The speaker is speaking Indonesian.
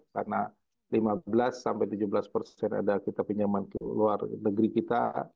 karena lima belas tujuh belas ada kita pinjaman ke luar negeri kita